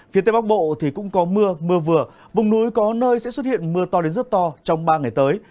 phía tây bắc bộ thì cũng có mưa mưa vừa vùng núi có nơi sẽ xuất hiện mưa to đến rất to trong ba ngày tới